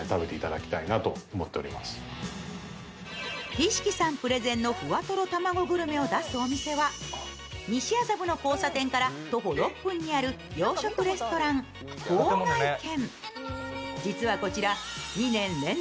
日紫喜さんプレゼンのふわとろ卵グルメを出すお店は西麻布の交差点から徒歩６分にある洋食レストラン、笄軒。